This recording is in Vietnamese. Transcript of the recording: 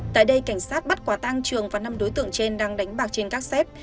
tại đây cảnh sát bắt quả tang trường và năm đối tượng trên đang đánh bạc trên các xếp